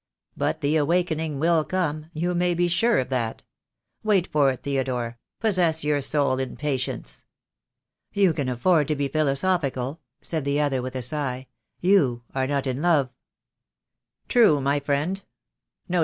But the awakening will come — you may be sure of that. Wait for it, Theodore, possess your soul in patience." "You can afford to be philosophical," said the other, with a sigh. "You are not in love!" "True, my friend.